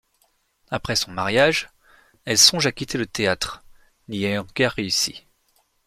Après son mariage, elle songe à quitter le théâtre n’y ayant guère réussi.